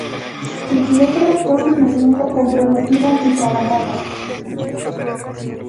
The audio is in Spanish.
Sus letras son a menudo comprometidas y trabajadas.